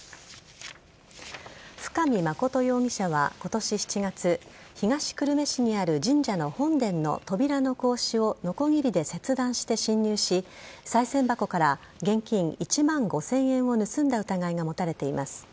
深見誠容疑者は今年７月東久留米市にある神社の本殿の扉の格子をのこぎりで切断して侵入しさい銭箱から現金１万５０００円を盗んだ疑いが持たれています。